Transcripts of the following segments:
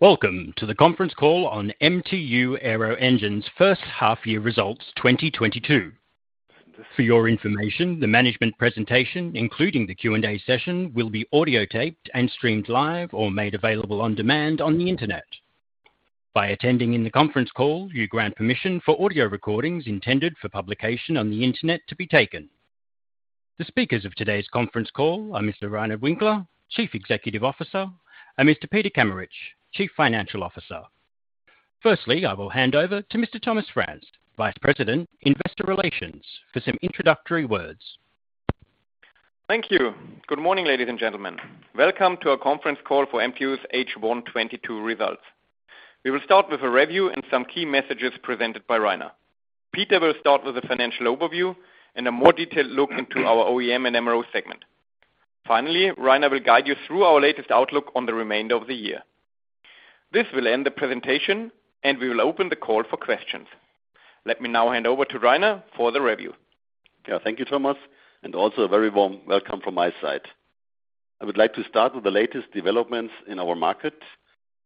Welcome to the conference call on MTU Aero Engines first half-year results 2022. For your information, the management presentation, including the Q&A session, will be audio taped and streamed live or made available on demand on the Internet. By attending in the conference call, you grant permission for audio recordings intended for publication on the Internet to be taken. The speakers of today's conference call are Mr. Reiner Winkler, Chief Executive Officer, and Mr. Peter Kameritsch, Chief Financial Officer. Firstly, I will hand over to Mr. Thomas Franz, Vice President, Investor Relations, for some introductory words. Thank you. Good morning, ladies and gentlemen. Welcome to our conference call for MTU's H1 2022 results. We will start with a review and some key messages presented by Reiner. Peter will start with a financial overview and a more detailed look into our OEM and MRO segment. Finally, Reiner will guide you through our latest outlook on the remainder of the year. This will end the presentation, and we will open the call for questions. Let me now hand over to Reiner for the review. Yeah. Thank you, Thomas, and also a very warm welcome from my side. I would like to start with the latest developments in our market.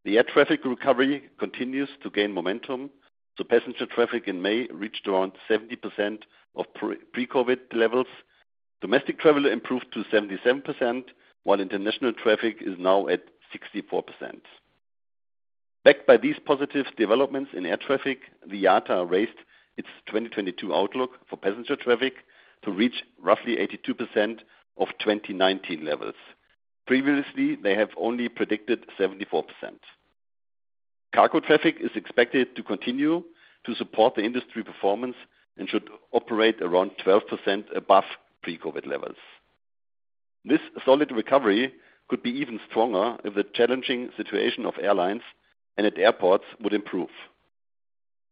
The air traffic recovery continues to gain momentum, so passenger traffic in May reached around 70% of pre-COVID levels. Domestic travel improved to 77%, while international traffic is now at 64%. Backed by these positive developments in air traffic, the IATA raised its 2022 outlook for passenger traffic to reach roughly 82% of 2019 levels. Previously, they have only predicted 74%. Cargo traffic is expected to continue to support the industry performance and should operate around 12% above pre-COVID levels. This solid recovery could be even stronger if the challenging situation of airlines and at airports would improve.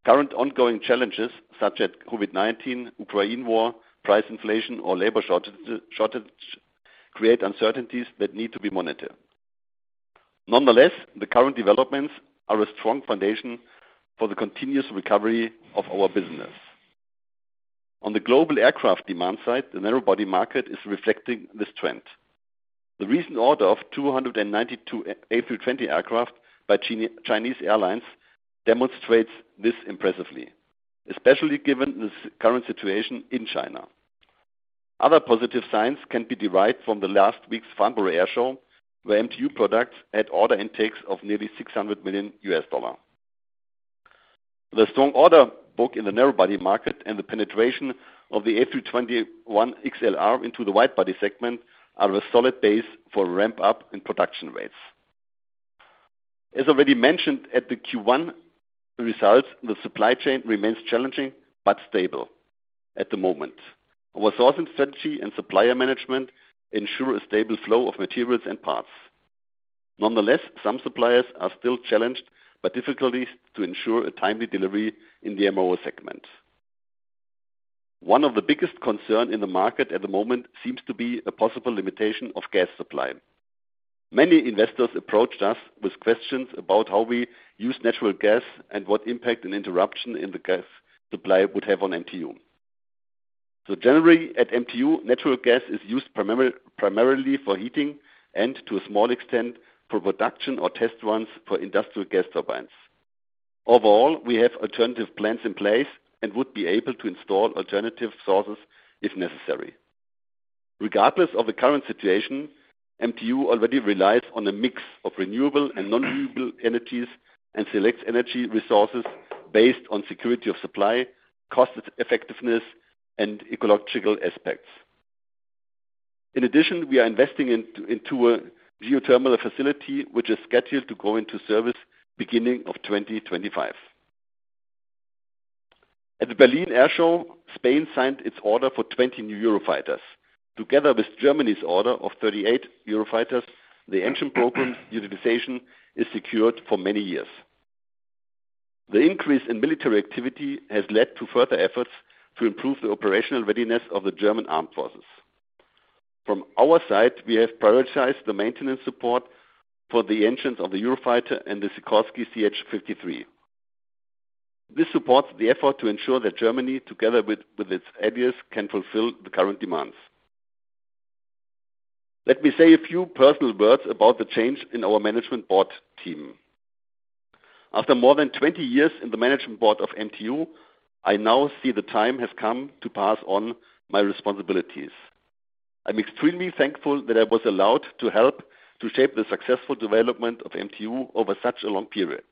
Current ongoing challenges, such as COVID-19, Ukraine war, price inflation or labor shortage, create uncertainties that need to be monitored. Nonetheless, the current developments are a strong foundation for the continuous recovery of our business. On the global aircraft demand side, the narrow body market is reflecting this trend. The recent order of 292 A320 aircraft by Chinese Airlines demonstrates this impressively, especially given the current situation in China. Other positive signs can be derived from last week's Farnborough Airshow, where MTU products had order intakes of nearly $600 million. The strong order book in the narrow body market and the penetration of the A321XLR into the wide body segment are a solid base for ramp up in production rates. As already mentioned at the Q1 results, the supply chain remains challenging but stable at the moment. Our sourcing strategy and supplier management ensure a stable flow of materials and parts. Nonetheless, some suppliers are still challenged by difficulties to ensure a timely delivery in the MRO segment. One of the biggest concern in the market at the moment seems to be a possible limitation of gas supply. Many investors approached us with questions about how we use natural gas and what impact an interruption in the gas supply would have on MTU. Generally, at MTU, natural gas is used primarily for heating and to a small extent for production or test runs for industrial gas turbines. Overall, we have alternative plans in place and would be able to install alternative sources if necessary. Regardless of the current situation, MTU already relies on a mix of renewable and non-renewable energies and selects energy resources based on security of supply, cost effectiveness, and ecological aspects. In addition, we are investing into a geothermal facility which is scheduled to go into service beginning of 2025. At the Berlin Air Show, Spain signed its order for 20 new Eurofighters. Together with Germany's order of 38 Eurofighters, the engine program's utilization is secured for many years. The increase in military activity has led to further efforts to improve the operational readiness of the German Armed Forces. From our side, we have prioritized the maintenance support for the engines of the Eurofighter and the Sikorsky CH-53. This supports the effort to ensure that Germany, together with its allies, can fulfill the current demands. Let me say a few personal words about the change in our management board team. After more than 20 years in the management board of MTU, I now see the time has come to pass on my responsibilities. I'm extremely thankful that I was allowed to help to shape the successful development of MTU over such a long period.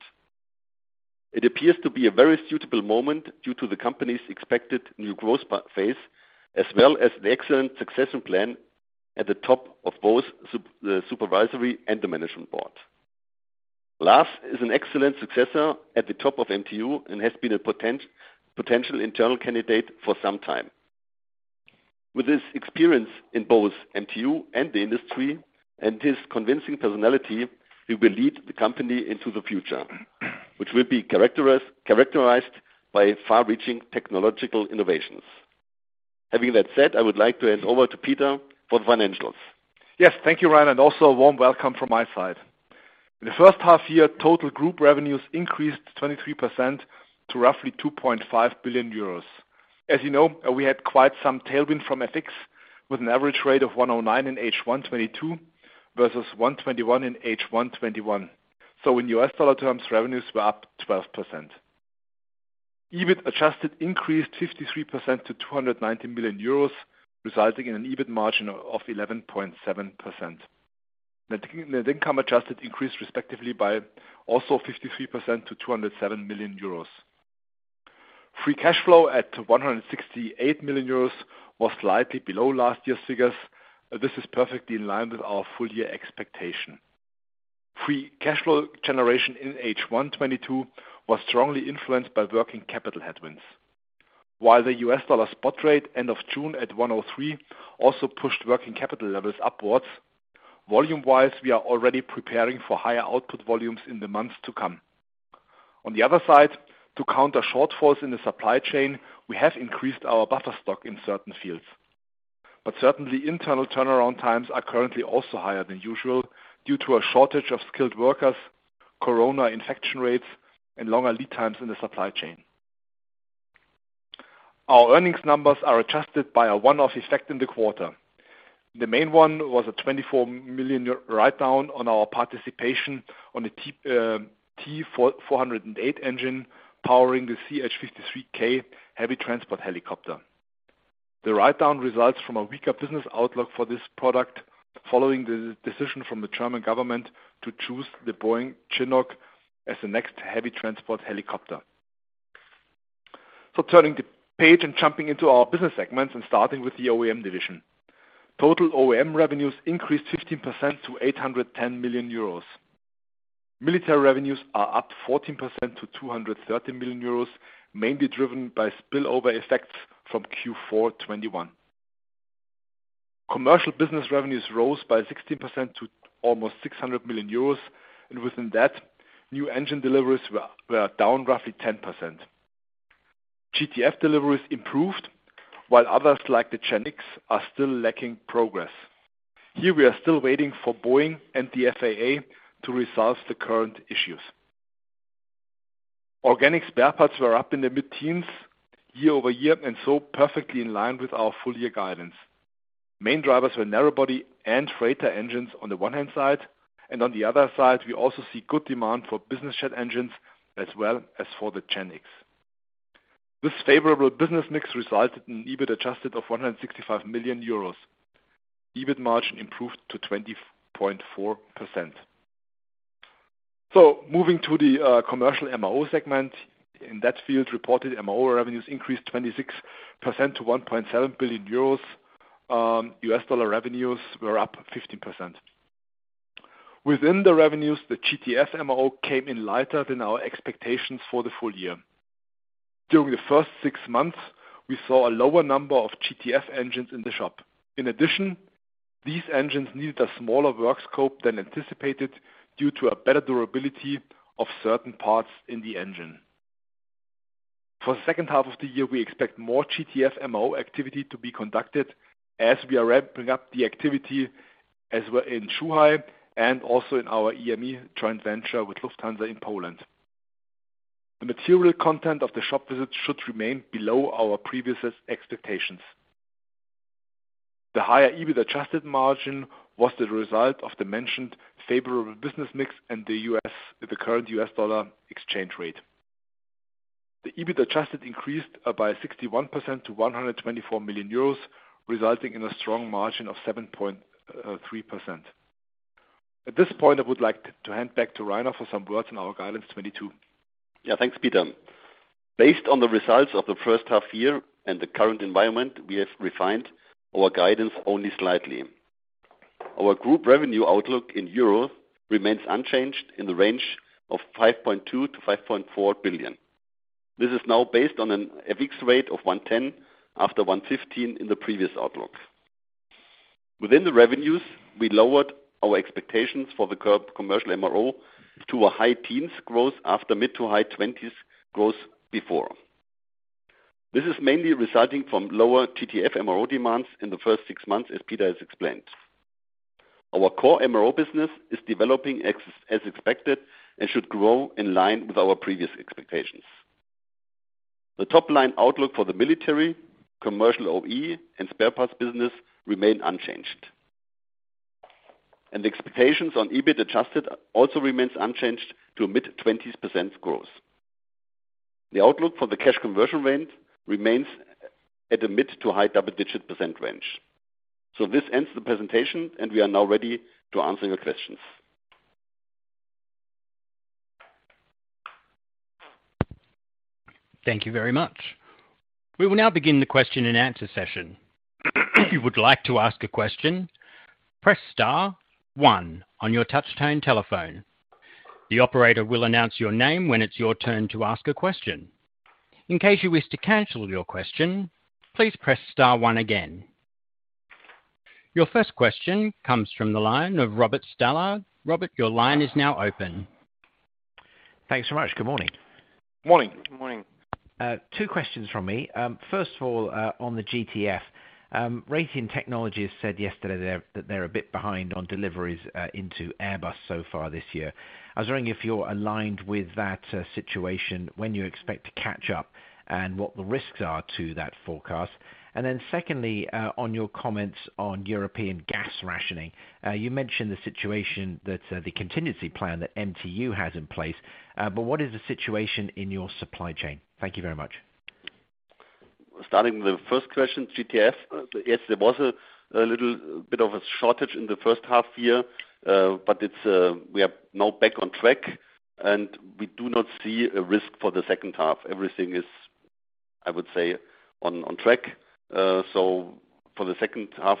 It appears to be a very suitable moment due to the company's expected new growth phase, as well as the excellent succession plan at the top of both the Supervisory and the Management Board. Lars is an excellent successor at the top of MTU and has been a potential internal candidate for some time. With his experience in both MTU and the industry and his convincing personality, he will lead the company into the future, which will be characterized by far-reaching technological innovations. Having that said, I would like to hand over to Peter for the financials. Yes. Thank you, Reiner, and also a warm welcome from my side. In the first half year, total group revenues increased 23% to roughly 2.5 billion euros. As you know, we had quite some tailwind from FX. With an average rate of 1.09 in H1 2022 versus 1.21 in H1 2021. In U.S. dollar terms, revenues were up 12%. EBIT adjusted increased 53% to 290 million euros, resulting in an EBIT margin of 11.7%. Net income adjusted increased respectively by also 53% to 207 million euros. Free cash flow at 168 million euros was slightly below last year's figures. This is perfectly in line with our full year expectation. Free cash flow generation in H1 2022 was strongly influenced by working capital headwinds. While the U.S. dollar spot rate, end of June, at 103 also pushed working capital levels upwards, volume-wise, we are already preparing for higher output volumes in the months to come. On the other side, to counter shortfalls in the supply chain, we have increased our buffer stock in certain fields. Certainly, internal turnaround times are currently also higher than usual due to a shortage of skilled workers, corona infection rates, and longer lead times in the supply chain. Our earnings numbers are adjusted by a one-off effect in the quarter. The main one was a 24 million write-down on our participation on the T408 engine powering the CH-53K heavy transport helicopter. The write-down results from a weaker business outlook for this product, following the decision from the German government to choose the Boeing Chinook as the next heavy transport helicopter. Turning the page and jumping into our business segments and starting with the OEM division. Total OEM revenues increased 15% to 810 million euros. Military revenues are up 14% to 230 million euros, mainly driven by spillover effects from Q4 2021. Commercial business revenues rose by 16% to almost 600 million euros, and within that, new engine deliveries were down roughly 10%. GTF deliveries improved while others, like the GEnx, are still lacking progress. Here, we are still waiting for Boeing and the FAA to resolve the current issues. Organic spare parts were up in the mid-teens year-over-year, and so perfectly in line with our full year guidance. Main drivers were narrow body and freighter engines on the one hand side, and on the other side, we also see good demand for business jet engines as well as for the GEnx. This favorable business mix resulted in EBIT adjusted of 165 million euros. EBIT margin improved to 20.4%. Moving to the commercial MRO segment. In that field, reported MRO revenues increased 26% to 1.7 billion euros. U.S. dollar revenues were up 15%. Within the revenues, the GTF MRO came in lighter than our expectations for the full year. During the first six months, we saw a lower number of GTF engines in the shop. In addition, these engines needed a smaller work scope than anticipated due to a better durability of certain parts in the engine. For the second half of the year, we expect more GTF MRO activity to be conducted as we are ramping up the activity, as well in Zhuhai and also in our EME joint venture with Lufthansa in Poland. The material content of the shop visits should remain below our previous expectations. The higher EBIT adjusted margin was the result of the mentioned favorable business mix and the current U.S. dollar exchange rate. The EBIT adjusted increased by 61% to 124 million euros, resulting in a strong margin of 7.3%. At this point, I would like to hand back to Reiner for some words on our guidance 2022. Yeah, thanks, Peter. Based on the results of the first half year and the current environment, we have refined our guidance only slightly. Our group revenue outlook in euros remains unchanged in the range of 5.2 billion-5.4 billion. This is now based on an FX rate of 110 after 115 in the previous outlook. Within the revenues, we lowered our expectations for the commercial MRO to a high-teens growth after mid-to-high 20%s growth before. This is mainly resulting from lower GTF MRO demands in the first six months, as Peter has explained. Our core MRO business is developing as expected and should grow in line with our previous expectations. The top-line outlook for the military, commercial OE, and spare parts business remain unchanged. Expectations on EBIT adjusted also remains unchanged to a mid-20%s growth. The outlook for the cash conversion rate remains at a mid-to-high double-digit percent range. This ends the presentation, and we are now ready to answer your questions. Thank you very much. We will now begin the question and answer session. If you would like to ask a question, press star one on your touchtone telephone. The operator will announce your name when it's your turn to ask a question. In case you wish to cancel your question, please press star one again. Your first question comes from the line of Robert Stallard. Robert, your line is now open. Thanks so much. Good morning. Morning. Good morning. Two questions from me. First of all, on the GTF, Raytheon Technologies said yesterday that they're a bit behind on deliveries into Airbus so far this year. I was wondering if you're aligned with that situation, when you expect to catch up and what the risks are to that forecast. Secondly, on your comments on European gas rationing. You mentioned the contingency plan that MTU has in place, but what is the situation in your supply chain? Thank you very much. Starting with the first question, GTF. Yes, there was a little bit of a shortage in the first half year. It's, we are now back on track, and we do not see a risk for the second half. Everything is, I would say, on track. For the second half,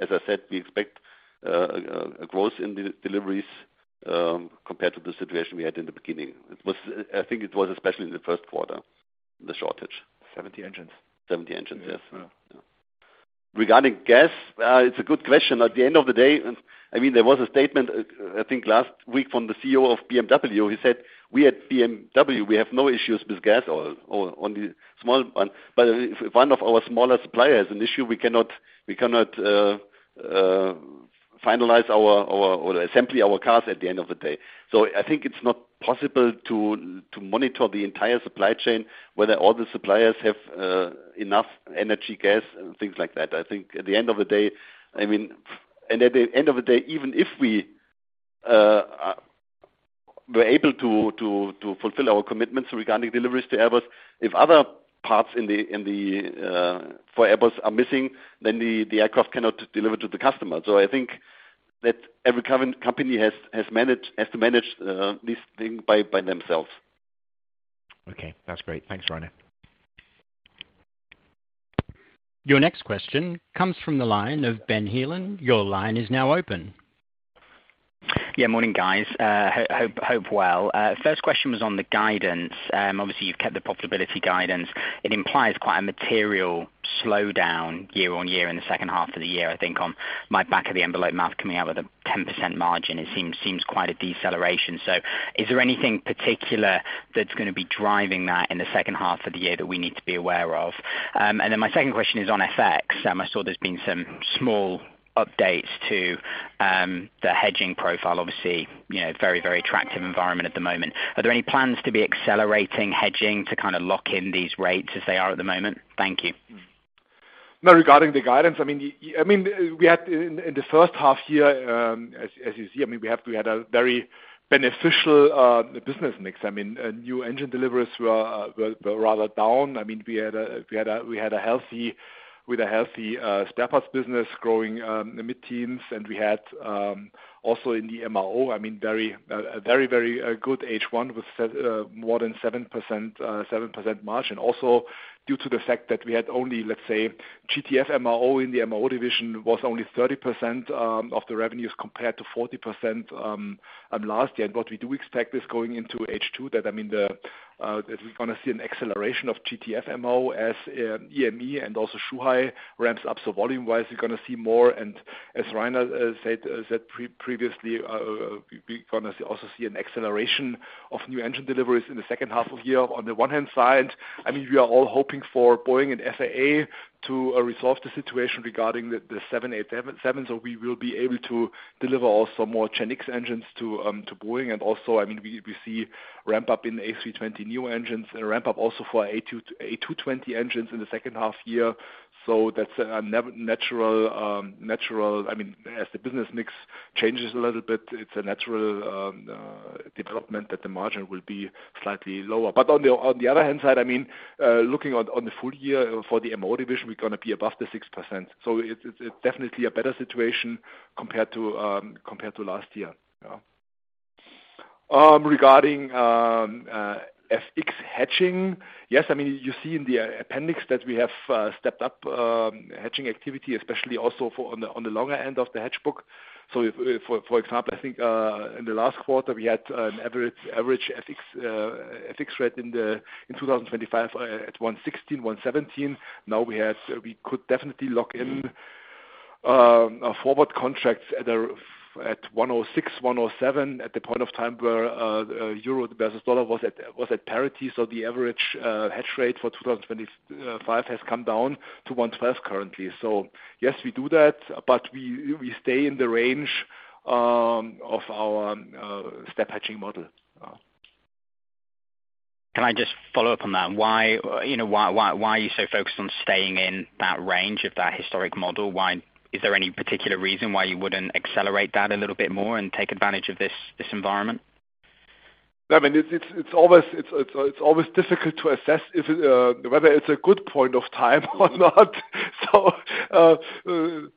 as I said, we expect a growth in deliveries, compared to the situation we had in the beginning. It was, I think, especially in the first quarter, the shortage. 70 engines. 70 engines. Yes. Yeah. Regarding gas, it's a good question. At the end of the day, I mean, there was a statement, I think last week from the CEO of BMW. He said, "We at BMW, we have no issues with gas or on the small one, but if one of our smaller suppliers has an issue we cannot finalize or assemble our cars at the end of the day." I think it's not possible to monitor the entire supply chain whether all the suppliers have enough energy, gas and things like that. I think at the end of the day, even if we're able to fulfill our commitments regarding deliveries to Airbus, if other parts in the for Airbus are missing, then the aircraft cannot deliver to the customer. I think that every current company has to manage this thing by themselves. Okay. That's great. Thanks, Reiner. Your next question comes from the line of Ben Heelan. Your line is now open. Yeah, morning, guys. Hope well. First question was on the guidance. Obviously, you've kept the profitability guidance. It implies quite a material slowdown year-on-year in the second half of the year. I think on my back of the envelope math coming out with a 10% margin, it seems quite a deceleration. Is there anything particular that's gonna be driving that in the second half of the year that we need to be aware of? Then my second question is on FX. I saw there's been some small updates to the hedging profile. Obviously, you know, very, very attractive environment at the moment. Are there any plans to be accelerating hedging to kind of lock in these rates as they are at the moment? Thank you. Now, regarding the guidance, I mean, we had in the first half year, as you see, I mean, we had a very beneficial business mix. I mean, new engine deliveries were rather down. I mean, we had a healthy spare parts business growing in the mid-teens. We had also in the MRO, I mean, a very good H1 with more than 7% margin. Also, due to the fact that we had only, let's say, GTF MRO in the MRO division was only 30% of the revenues, compared to 40% last year. We do expect this going into H2 that I mean we're gonna see an acceleration of GTF MRO as EME and also Zhuhai ramps up. Volume-wise, we're gonna see more. As Rainer said previously, we're gonna also see an acceleration of new engine deliveries in the second half of the year. On the one hand side, I mean, we are all hoping for Boeing and FAA to resolve the situation regarding the 787, so we will be able to deliver also more GEnx engines to Boeing. Also, I mean, we see ramp up in A320 new engines and ramp up also for A220 engines in the second half year. That's natural. I mean, as the business mix changes a little bit, it's a natural development that the margin will be slightly lower. On the other hand side, I mean, looking on the full year for the MRO division, we're gonna be above the 6%. It's definitely a better situation compared to last year. Yeah. Regarding FX hedging, yes, I mean, you see in the appendix that we have stepped up hedging activity, especially also for the longer end of the hedge book. If, for example, I think, in the last quarter, we had an average FX rate in 2025 at 1.16-1.17. Now we could definitely lock in a forward contract at 1.06-1.07 at the point of time where euro versus dollar was at parity. The average hedge rate for 2025 has come down to 1.12 currently. Yes, we do that, but we stay in the range of our step hedging model. Can I just follow up on that? Why, you know, why are you so focused on staying in that range of that historic model? Why? Is there any particular reason why you wouldn't accelerate that a little bit more and take advantage of this environment? I mean, it's always difficult to assess whether it's a good point of time or not. Looking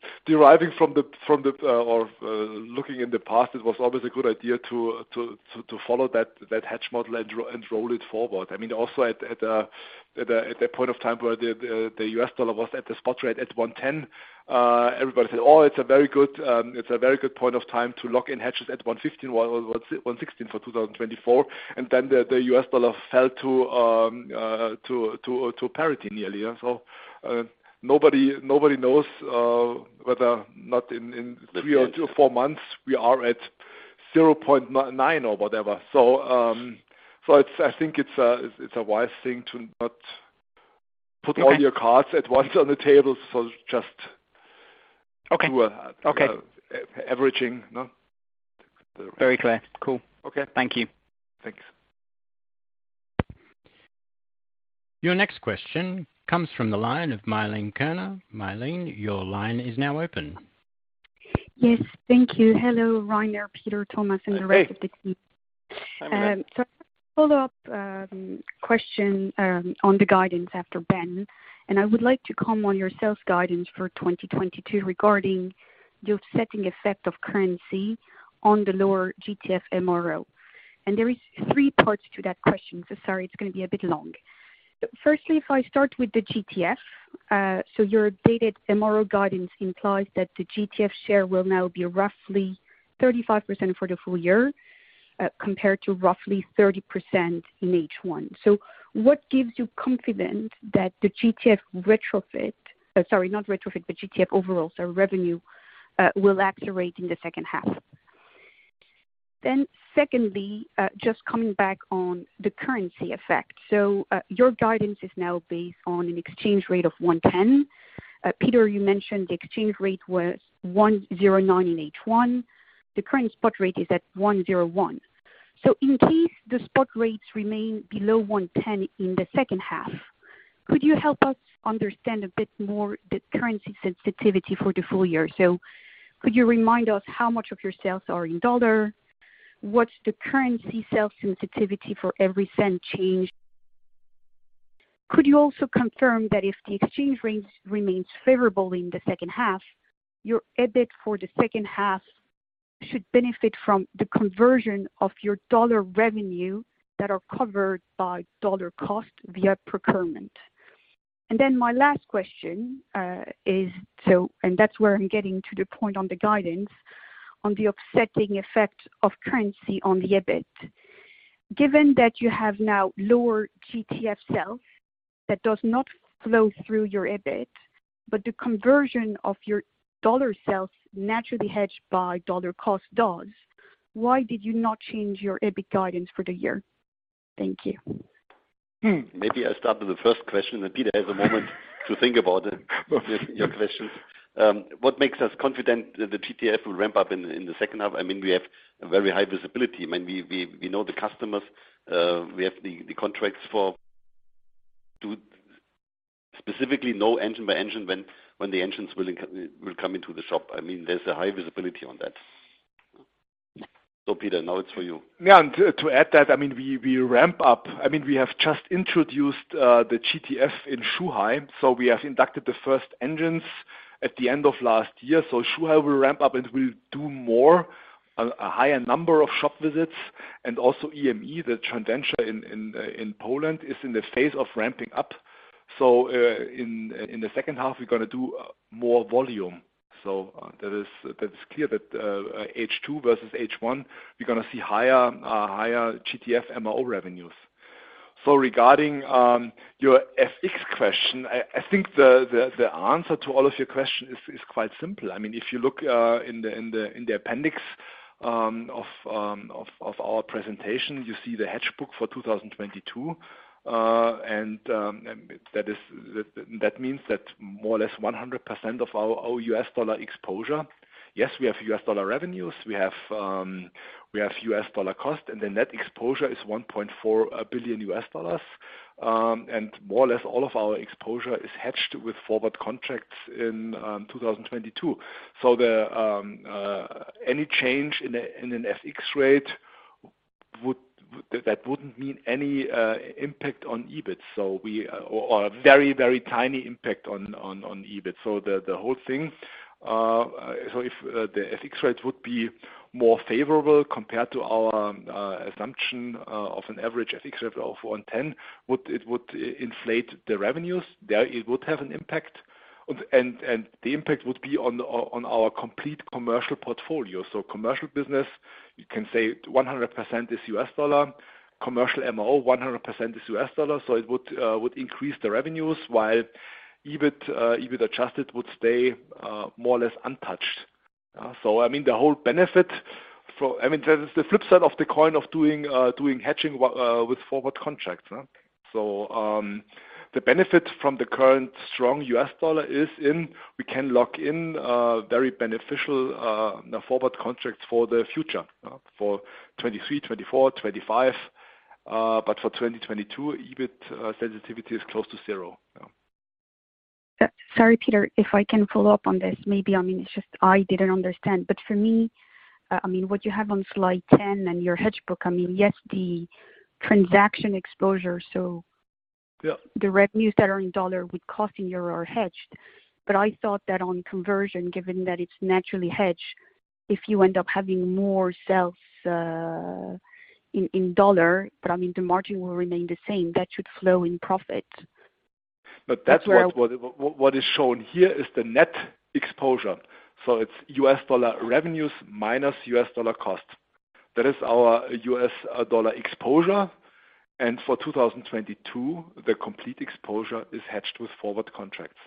in the past, it was always a good idea to follow that hedge model and roll it forward. I mean, also at the point of time where the U.S. dollar was at the spot rate at 1.10, everybody said, "Oh, it's a very good point of time to lock in hedges at 1.15, 1.16 for 2024." Then the U.S. dollar fell to parity nearly. Yeah. Nobody knows whether or not in three or four months we are at 0.99 or whatever. I think it's a wise thing to not Put all your cards at once on the table. Okay. Do a averaging. No? Very clear. Cool. Okay. Thank you. Thanks. Your next question comes from the line of Milène Kerner. Milène, your line is now open. Yes, thank you. Hello, Reiner, Peter, Thomas, and the rest of the team. Hey. Follow-up question on the guidance after Benjamin Heelan, I would like to comment on your sales guidance for 2022 regarding the offsetting effect of currency on the lower GTF MRO. There are three parts to that question, sorry, it's gonna be a bit long. Firstly, if I start with the GTF, your updated MRO guidance implies that the GTF share will now be roughly 35% for the full year, compared to roughly 30% in H1. What gives you confidence that the GTF overall revenue will accelerate in the second half? Secondly, just coming back on the currency effect. Your guidance is now based on an exchange rate of 1.10. Peter, you mentioned the exchange rate was 1.09 in H1. The current spot rate is at 1.01. In case the spot rates remain below 1.10 in the second half, could you help us understand a bit more the currency sensitivity for the full year? Could you remind us how much of your sales are in dollar? What's the currency sales sensitivity for every cent change? Could you also confirm that if the exchange rate remains favorable in the second half, your EBIT for the second half should benefit from the conversion of your dollar revenue that are covered by dollar cost via procurement? That's where I'm getting to the point on the guidance on the offsetting effect of currency on the EBIT. Given that you have now lower GTF sales, that does not flow through your EBIT, but the conversion of your dollar sales naturally hedged by dollar cost does, why did you not change your EBIT guidance for the year? Thank you. Maybe I start with the first question, and Peter has a moment to think about your question. What makes us confident that the GTF will ramp up in the second half? I mean, we have a very high visibility. I mean, we know the customers, we have the contracts for to specifically know engine by engine when the engines will come into the shop. I mean, there's a high visibility on that. Peter, now it's for you. Yeah. To add that, I mean, we ramp up. I mean, we have just introduced the GTF in Zhuhai, so we have inducted the first engines at the end of last year. Zhuhai will ramp up, and we'll do more, a higher number of shop visits. Also EME, the joint venture in Poland, is in the phase of ramping up. In the second half, we're gonna do more volume. That is clear that H2 versus H1, we're gonna see higher GTF MRO revenues. Regarding your FX question, I think the answer to all of your question is quite simple. I mean, if you look in the appendix of our presentation, you see the hedge book for 2022. That means that more or less 100% of our U.S. dollar exposure. Yes, we have U.S. dollar revenues. We have U.S. dollar cost, and the net exposure is $1.4 billion. More or less all of our exposure is hedged with forward contracts in 2022. Any change in an FX rate wouldn't mean any impact on EBIT. Or a very, very tiny impact on EBIT. If the FX rates would be more favorable compared to our assumption of an average FX rate of 1.10, it would inflate the revenues. Therefore it would have an impact. The impact would be on our complete commercial portfolio. Commercial business, you can say 100% is U.S. dollar. Commercial MRO, 100% is U.S. dollar, so it would increase the revenues while EBIT adjusted would stay more or less untouched. I mean, the whole benefit for—I mean, the flip side of the coin of doing hedging with forward contracts. The benefit from the current strong U.S. dollar is in we can lock in very beneficial forward contracts for the future for 2023, 2024, 2025, but for 2022, EBIT sensitivity is close to zero, yeah. Sorry, Peter, if I can follow up on this, maybe, I mean, it's just I didn't understand. For me, I mean, what you have on slide 10 and your hedge book, I mean, yes, the transaction exposure. So- Yeah. ...the revenues that are in dollar with cost in euro are hedged. I thought that on conversion, given that it's naturally hedged, if you end up having more sales in dollar, but I mean, the margin will remain the same, that should flow in profit. That's what is shown here, the net exposure. It's U.S. dollar revenues minus U.S. dollar costs. That is our U.S. dollar exposure. For 2022, the complete exposure is hedged with forward contracts.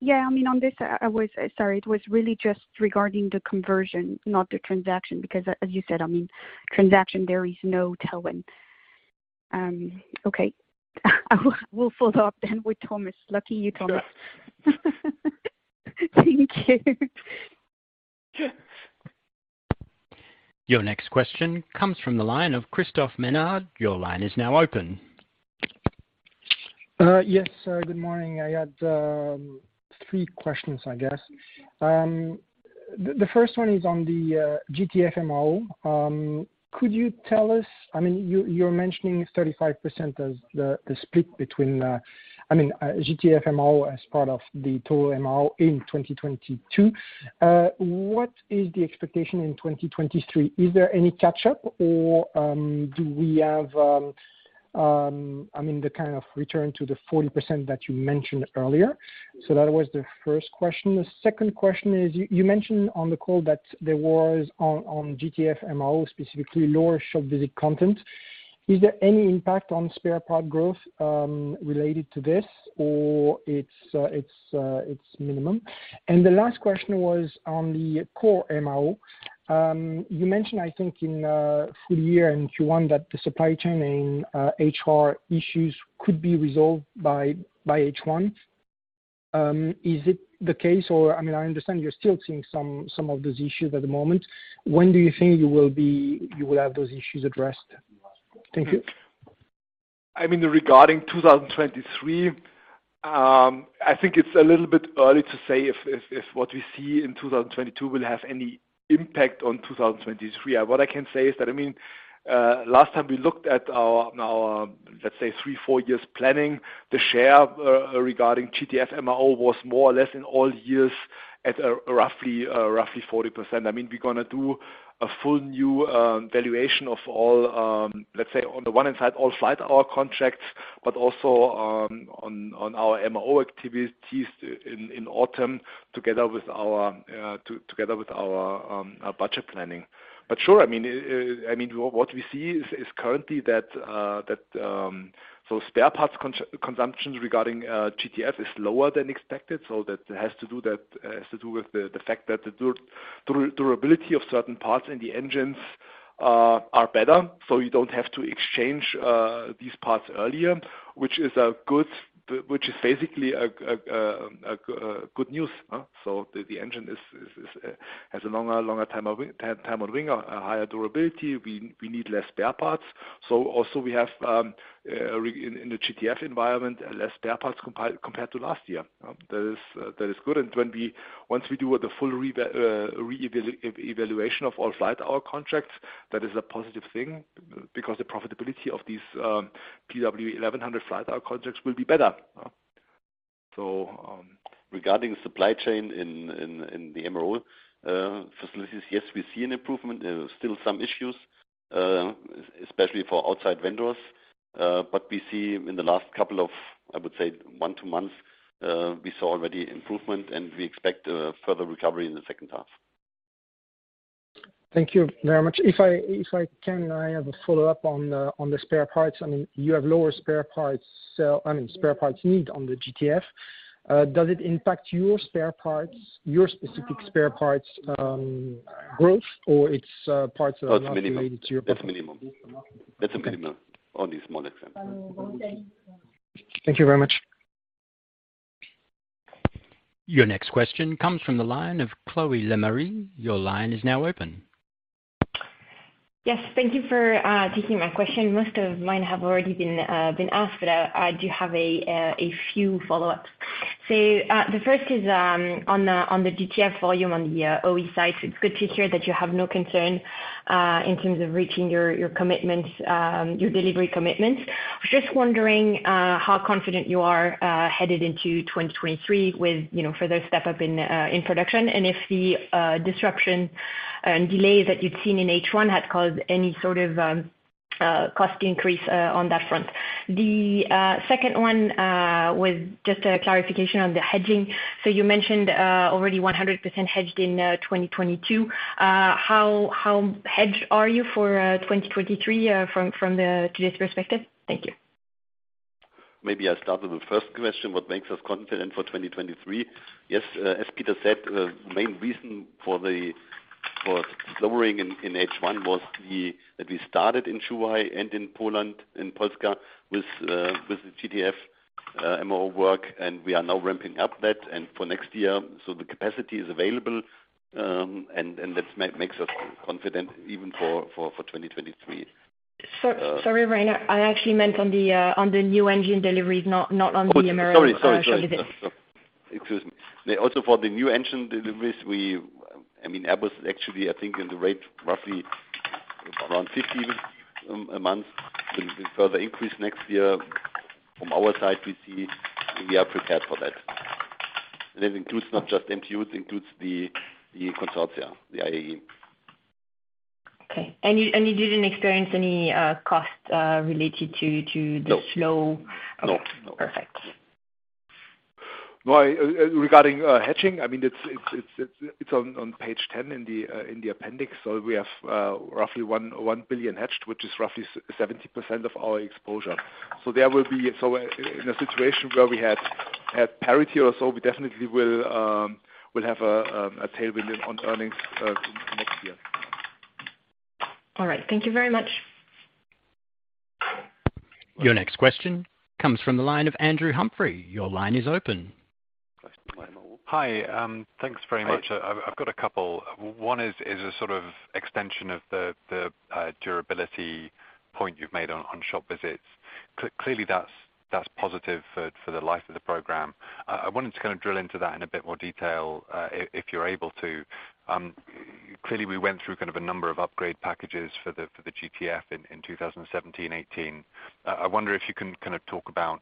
Yeah, I mean, on this, sorry, it was really just regarding the conversion, not the transaction, because as you said, I mean, transaction there is no tailwind. Okay. I will follow up then with Thomas. Lucky you, Thomas. Thank you. Your next question comes from the line of Christophe Ménard. Your line is now open. Yes, good morning. I had three questions, I guess. The first one is on the GTF MRO. Could you tell us? I mean, you are mentioning 35% as the split between GTF MRO as part of the total MRO in 2022. What is the expectation in 2023? Is there any catch-up or do we have, I mean, the kind of return to the 40% that you mentioned earlier? That was the first question. The second question is, you mentioned on the call that there was on GTF MRO, specifically lower shop visit content. Is there any impact on spare part growth related to this or it's minimum? The last question was on the core MRO. You mentioned, I think in full year and Q1 that the supply chain and HR issues could be resolved by H1. Is it the case or, I mean, I understand you're still seeing some of those issues at the moment. When do you think you will have those issues addressed? Thank you. I mean, regarding 2023, I think it's a little bit early to say if what we see in 2022 will have any impact on 2023. What I can say is that, I mean, last time we looked at our, let's say three to four years planning, the share, regarding GTF MRO was more or less in all years at, roughly 40%. I mean, we're gonna do a full new valuation of all, let's say on the one hand side, all flight hour contracts, but also, on our MRO activities in autumn together with our budget planning. Sure, I mean, what we see is currently that spare parts consumption regarding GTF is lower than expected, so that has to do with the fact that the durability of certain parts in the engines are better, so you don't have to exchange these parts earlier, which is basically a good news. The engine has a longer time on wing, a higher durability. We need less spare parts. We also have in the GTF environment less spare parts compared to last year. That is good. Once we do the full re-evaluation of all flight hour contracts, that is a positive thing because the profitability of these PW1100 flight hour contracts will be better. Regarding supply chain in the MRO facilities, yes, we see an improvement. There are still some issues, especially for outside vendors. But we see in the last couple of, I would say one or two months, we saw already improvement and we expect further recovery in the second half. Thank you very much. If I can, I have a follow-up on the spare parts. I mean, you have lower spare parts sales. I mean, spare parts needs on the GTF. Does it impact your spare parts, your specific spare parts growth, or it's parts that are not related to your- That's a minimum. Only a small example. Thank you very much. Your next question comes from the line of Chloé Lemarié. Your line is now open. Yes. Thank you for taking my question. Most of mine have already been asked, but I do have a few follow-ups. The first is on the GTF volume on the OE side. It's good to hear that you have no concern in terms of reaching your commitments, your delivery commitments. I was just wondering how confident you are headed into 2023 with you know further step up in production, and if the disruption and delays that you'd seen in H1 had caused any sort of cost increase on that front. The second one was just a clarification on the hedging. You mentioned already 100% hedged in 2022. How hedged are you for 2023 from today's perspective? Thank you. Maybe I'll start with the first question, what makes us confident for 2023. Yes, as Peter said, the main reason for the slowing in H1 was that we started in Zhuhai and in Poland with the GTF MRO work, and we are now ramping up that and for next year. The capacity is available, and that makes us confident even for 2023. Sorry, Reiner. I actually meant on the new engine deliveries, not on the MRO. Oh, sorry. shop visits. Excuse me. Also for the new engine deliveries, I mean, Airbus actually, I think at a rate roughly around 15 a month will further increase next year. From our side, we see we are prepared for that. That includes not just MTU, it includes the consortia, the IAE. Okay. You didn't experience any cost related to the slow- No. Okay. No. Perfect. Well, regarding hedging, I mean, it's on page 10 in the appendix. We have roughly 1 billion hedged, which is roughly 70% of our exposure. In a situation where we had parity or so, we definitely will have a tailwind on earnings next year. All right. Thank you very much. Your next question comes from the line of Andrew Humphrey. Your line is open. Hi. Thanks very much. I've got a couple. One is a sort of extension of the durability point you've made on shop visits. Clearly, that's positive for the life of the program. I wanted to kind of drill into that in a bit more detail, if you're able to. Clearly, we went through kind of a number of upgrade packages for the GTF in 2017, 2018. I wonder if you can kind of talk about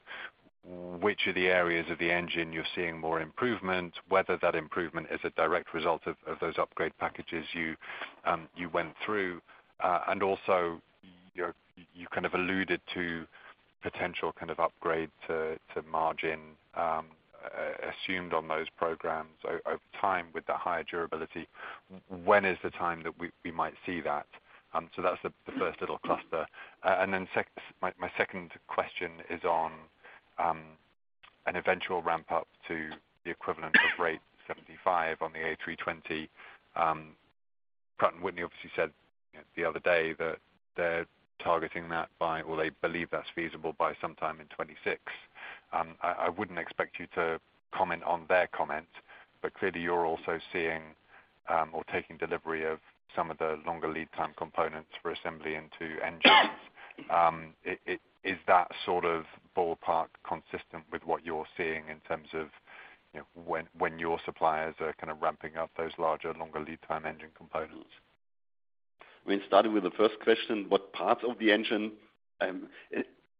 which of the areas of the engine you're seeing more improvement, whether that improvement is a direct result of those upgrade packages you went through. You kind of alluded to potential kind of upgrade to margin assumed on those programs over time with the higher durability. When is the time that we might see that? That's the first little cluster. My second question is on an eventual ramp-up to the equivalent of rate 75 on the A320. Pratt & Whitney obviously said the other day that they're targeting that or they believe that's feasible by sometime in 2026. I wouldn't expect you to comment on their comment, but clearly you're also seeing or taking delivery of some of the longer lead time components for assembly into engines. Is that sort of ballpark consistent with what you're seeing in terms of, you know, when your suppliers are kind of ramping up those larger, longer lead time engine components? I mean, starting with the first question, what parts of the engine?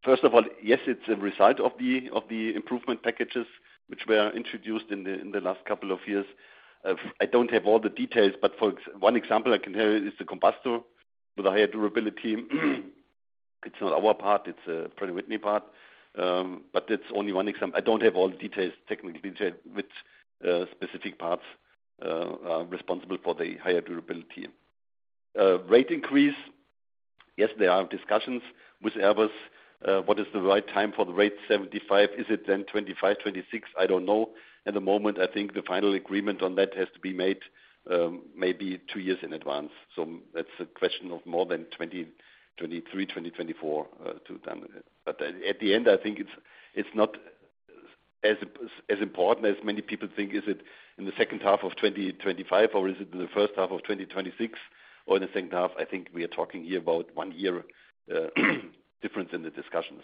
First of all, yes, it's a result of the improvement packages which were introduced in the last couple of years. I don't have all the details, but one example I can tell you is the combustor with a higher durability. It's not our part, it's a Pratt & Whitney part. But it's only one example. I don't have all the details, technical details with specific parts are responsible for the higher durability. Rate increase, yes, there are discussions with Airbus. What is the right time for the rate 75? Is it then 2025, 2026? I don't know. At the moment, I think the final agreement on that has to be made, maybe two years in advance. That's a question of more than 2023, 2024 to be done with it. At the end, I think it's not as important as many people think. Is it in the second half of 2025, or is it in the first half of 2026 or the second half? I think we are talking here about one year difference in the discussion.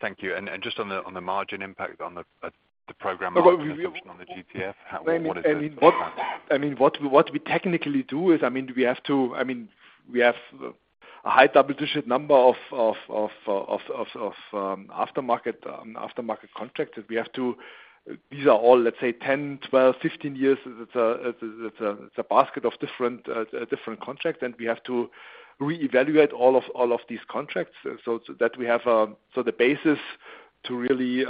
Thank you. Just on the margin impact on the program margin assumption on the GTF, what is the plan? I mean, what we technically do is, we have to, we have a high double-digit number of aftermarket contracts that we have to. These are all, let's say, 10, 12, 15 years. It's a basket of different contracts, and we have to reevaluate all of these contracts so that we have the basis to really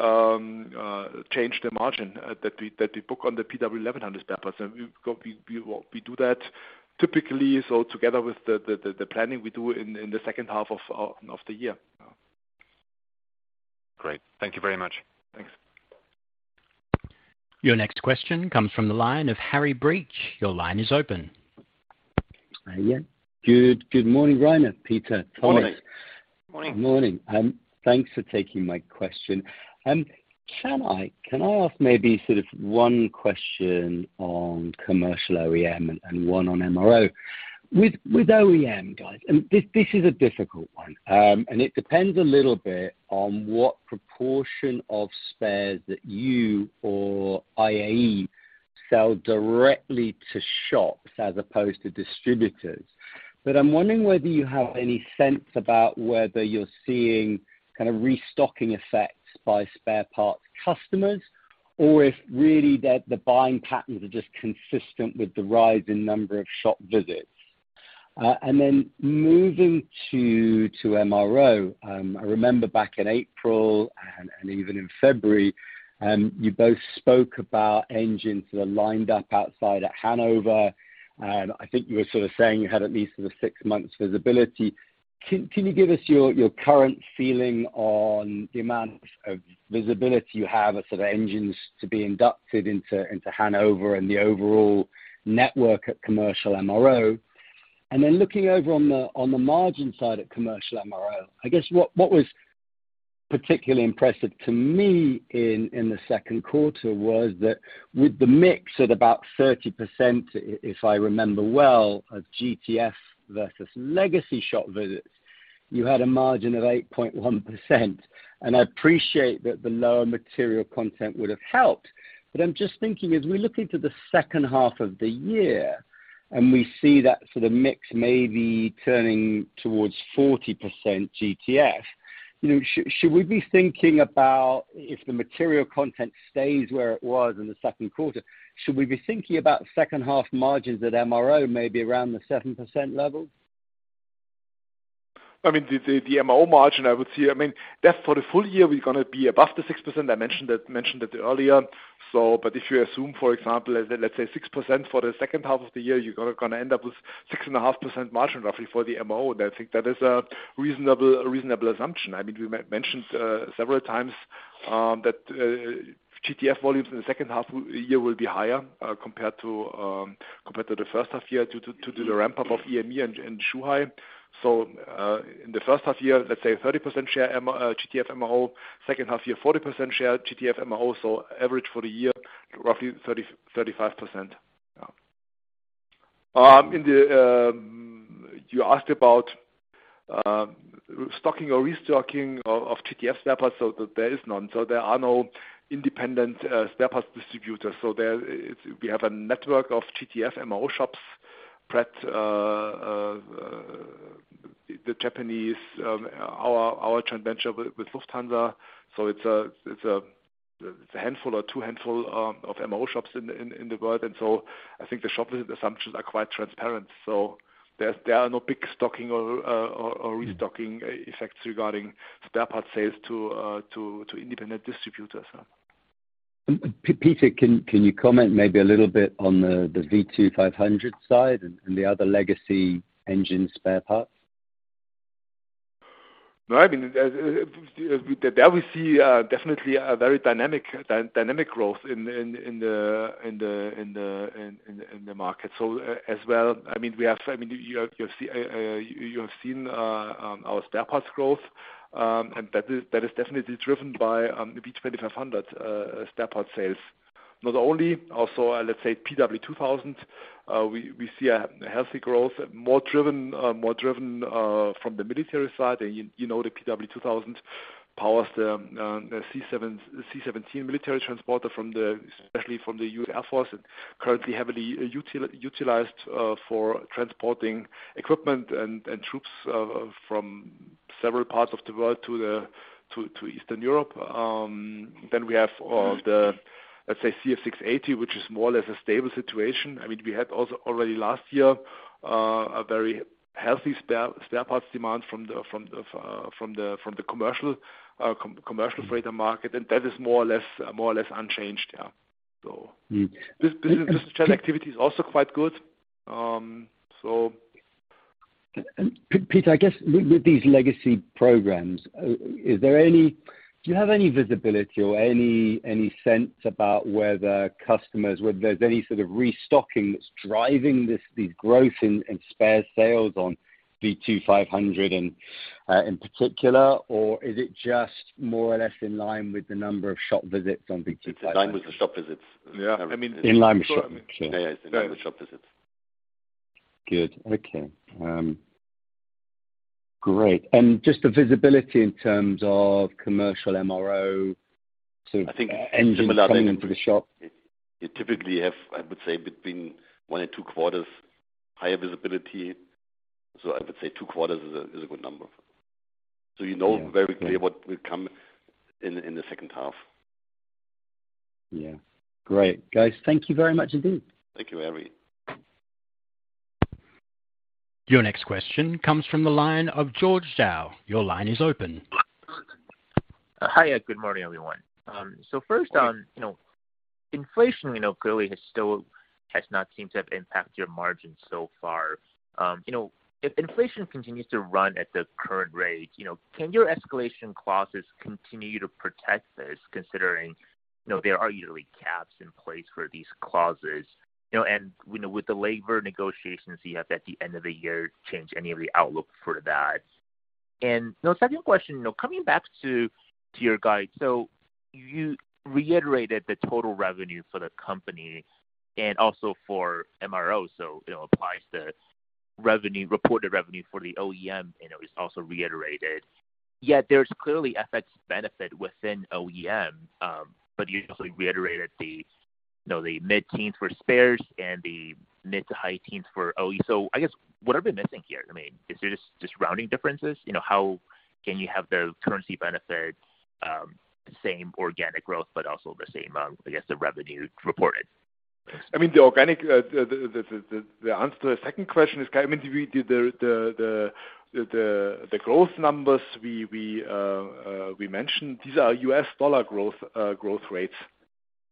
change the margin that we book on the PW1100s. We do that typically. Together with the planning we do in the second half of the year. Great. Thank you very much. Thanks. Your next question comes from the line of Harry Breach. Your line is open. Yeah. Good morning, Reiner, Peter, Thomas. Morning. Morning. Morning. Thanks for taking my question. Can I ask maybe sort of one question on commercial OEM and one on MRO? With OEM guys, and this is a difficult one, and it depends a little bit on what proportion of spares that you or IAE sell directly to shops as opposed to distributors. I'm wondering whether you have any sense about whether you're seeing kind of restocking effects by spare parts customers, or if really the buying patterns are just consistent with the rise in number of shop visits. Moving to MRO, I remember back in April and even in February, you both spoke about engines that are lined up outside at Hannover, and I think you were sort of saying you had at least sort of six months visibility. Can you give us your current feeling on the amount of visibility you have of sort of engines to be inducted into Hannover and the overall network at commercial MRO? Looking over on the margin side at commercial MRO, I guess what was particularly impressive to me in the second quarter was that with the mix at about 30%, if I remember well, of GTF versus legacy shop visits, you had a margin of 8.1%. I appreciate that the lower material content would have helped. I'm just thinking, as we look into the second half of the year and we see that sort of mix maybe turning towards 40% GTF, you know, should we be thinking about if the material content stays where it was in the second quarter, should we be thinking about second half margins at MRO maybe around the 7% level? I mean, the MRO margin, I would see, I mean, that for the full year, we're gonna be above the 6%. I mentioned it earlier. If you assume, for example, let's say 6% for the second half of the year, you're gonna end up with 6.5% margin roughly for the MRO. I think that is a reasonable assumption. I mean, we mentioned several times that GTF volumes in the second half year will be higher compared to the first half year due to the ramp up of EME Aero and Zhuhai. In the first half year, let's say 30% share GTF MRO. Second half year, 40% share GTF MRO. Average for the year, roughly 35%. You asked about stocking or restocking of GTF spare parts, so there is none. There are no independent spare parts distributors. There it is, we have a network of GTF MRO shops, Pratt, the Japanese, our joint venture with Lufthansa. It's a handful or two handful of MRO shops in the world. I think the shop visit assumptions are quite transparent. There are no big stocking or restocking effects regarding spare part sales to independent distributors, yeah. Peter, can you comment maybe a little bit on the V2500 side and the other legacy engine spare parts? No, I mean, there we see definitely a very dynamic growth in the market. As well, I mean, we have, I mean, you have seen our spare parts growth, and that is definitely driven by the V2500 spare part sales. Not only also, let's say PW2000, we see a healthy growth more driven from the military side. You know, the PW2000 powers the C-17 military transporter, especially from the U.S. Air Force, and currently heavily utilized for transporting equipment and troops from several parts of the world to Eastern Europe. We have, let's say, the CF6-80, which is more or less a stable situation. I mean, we had also already last year a very healthy spare parts demand from the commercial freighter market. That is more or less unchanged. Yeah. Mm. This channel activity is also quite good. Peter, I guess with these legacy programs, do you have any visibility or any sense about whether customers, whether there's any sort of restocking that's driving this, the growth in spare sales on V2500 and, in particular, or is it just more or less in line with the number of shop visits on V2500? It's in line with the shop visits. Yeah. I mean. In line with shop. Okay. Yeah, it's in line with shop visits. Good. Okay. Great. Just the visibility in terms of commercial MRO sort of- I think. Engines coming into the shop. You typically have, I would say, between one and two quarters higher visibility. I would say two quarters is a good number. You know. Yeah. Very clear what will come in in the second half. Yeah. Great. Guys, thank you very much indeed. Thank you, Harry. Your next question comes from the line of George Zhao. Your line is open. Hiya. Good morning, everyone. First on- Good morning. You know, inflation, you know, clearly has still not seemed to have impacted your margins so far. You know, if inflation continues to run at the current rate, you know, can your escalation clauses continue to protect this, considering, you know, there are usually caps in place for these clauses? You know, you know, with the labor negotiations you have at the end of the year change any of the outlook for that? The second question, you know, coming back to your guide. You reiterated the total revenue for the company and also for MRO, so it applies to revenue, reported revenue for the OEM, you know, is also reiterated. Yet there's clearly FX benefit within OEM, but you also reiterated the, you know, the mid-teens percentage for spares and the mid- to high-teens percentage for OE. I guess, what are we missing here? I mean, is it just rounding differences? You know, how can you have the currency benefits, the same organic growth, but also the same, I guess the revenue reported? I mean, the answer to the second question is, I mean, the growth numbers we mentioned, these are U.S. dollar growth rates.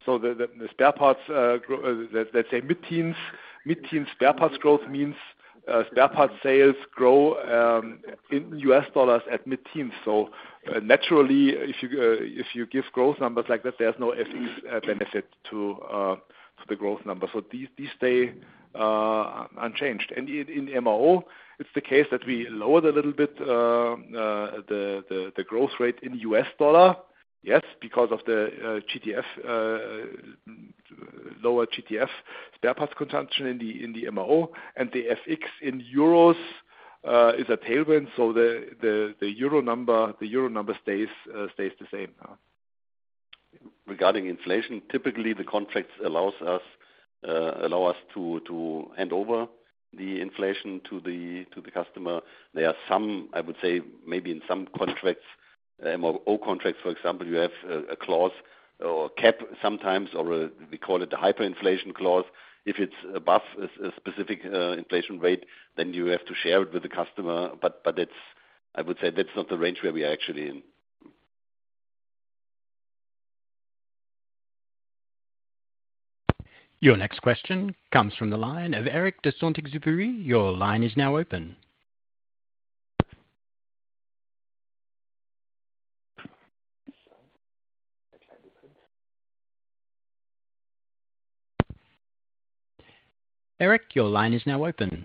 The spare parts grow, let's say mid-teens spare parts growth means spare parts sales grow in U.S. dollars at mid-teens. Naturally, if you give growth numbers like that, there's no FX benefit to the growth numbers. These stay unchanged. In MRO, it's the case that we lowered a little bit the growth rate in U.S. dollar, yes, because of the lower GTF spare parts consumption in the MRO. The FX in euros is a tailwind, so the euro number stays the same. Regarding inflation, typically the contracts allow us to hand over the inflation to the customer. There are some, I would say maybe in some contracts, MRO contracts for example, you have a clause or a cap sometimes, or we call it the hyperinflation clause. If it's above a specific inflation rate, then you have to share it with the customer. It's, I would say, that's not the range where we are actually in. Your next question comes from the line of [Eric de Sante]. Your line is now open. Eric, your line is now open.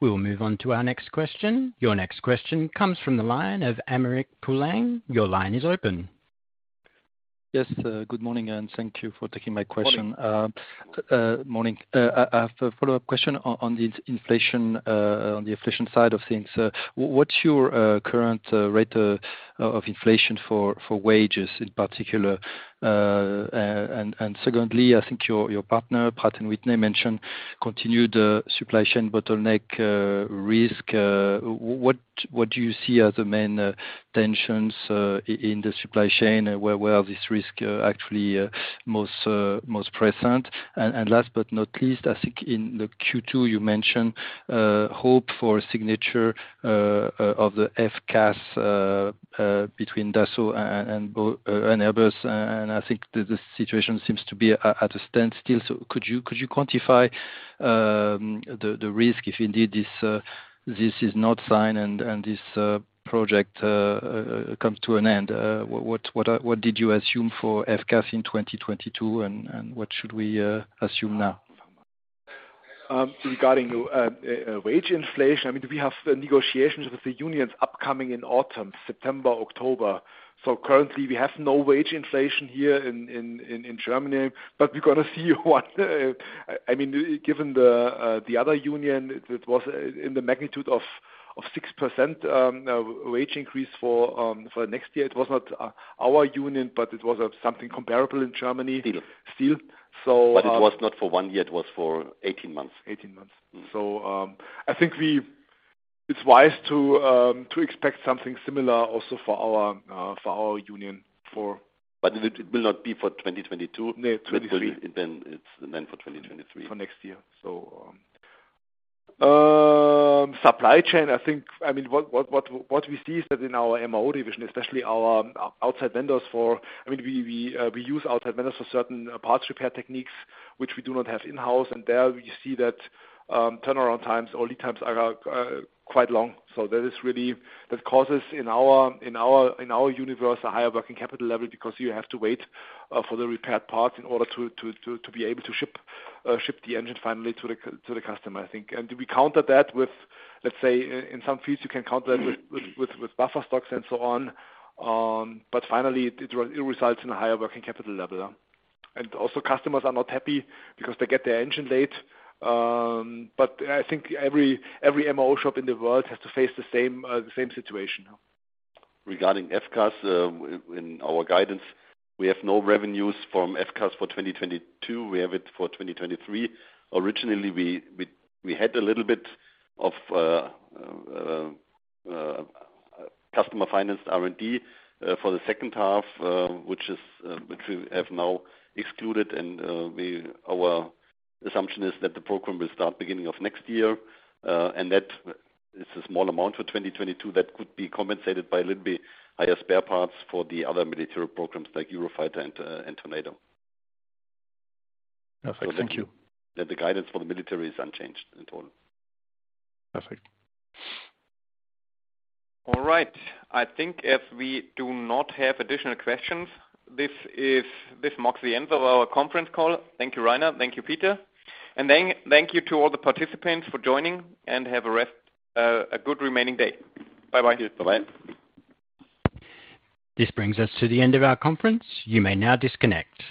We will move on to our next question. Your next question comes from the line of Aymeric Poulain. Your line is open. Yes, good morning and thank you for taking my question. Morning. Morning. I have a follow-up question on the inflation side of things. What's your current rate of inflation for wages in particular? And secondly, I think your partner, Pratt & Whitney, mentioned continued supply chain bottleneck risk. What do you see are the main tensions in the supply chain, and where are these risks actually most present? And last but not least, I think in the Q2 you mentioned hope for a signature of the FCAS between Dassault and Airbus. I think the situation seems to be at a standstill. Could you quantify the risk if indeed this is not signed and this project comes to an end? What did you assume for FCAS in 2022, and what should we assume now? Regarding wage inflation, I mean, we have negotiations with the unions upcoming in autumn, September, October. Currently we have no wage inflation here in Germany. We're gonna see what I mean, given the other union that was in the magnitude of 6% wage increase for next year. It was not our union, but it was something comparable in Germany. Still. Still. It was not for one year, it was for 18 months. 18 months. Mm-hmm. I think it's wise to expect something similar also for our union for- It will not be for 2022. No, 2023. It's for 2023. For next year, supply chain, I think, I mean, what we see is that in our MRO division, especially our outside vendors. I mean, we use outside vendors for certain parts repair techniques which we do not have in-house. There we see that turnaround times or lead times are quite long. That causes in our universe a higher working capital level because you have to wait for the repaired part in order to be able to ship the engine finally to the customer, I think. We counter that with, let's say in some fields you can counter that with buffer stocks and so on. Finally, it results in a higher working capital level. Customers are not happy because they get their engine late. I think every MRO shop in the world has to face the same situation. Regarding FCAS, in our guidance, we have no revenues from FCAS for 2022. We have it for 2023. Originally, we had a little bit of customer financed R&D for the second half, which we have now excluded. Our assumption is that the program will start beginning of next year, and that is a small amount for 2022. That could be compensated by a little bit higher spare parts for the other military programs like Eurofighter and Tornado. Perfect. Thank you. That the guidance for the military is unchanged in total. Perfect. All right. I think if we do not have additional questions, this marks the end of our conference call. Thank you, Rainer. Thank you, Peter. Thank you to all the participants for joining and have a good remaining day. Bye-bye. Bye-bye. This brings us to the end of our conference. You may now disconnect.